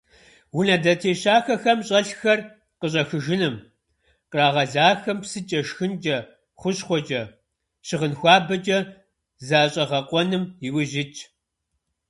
Унэ зэтещэхахэм щӀэлъхэр къыщӀэхыжыным, кърагъэлахэм псыкӀэ, шхынкӀэ, хущхъуэкӀэ, щыгъын хуабэкӀэ защӀэгъэкъуэным иужь итщ.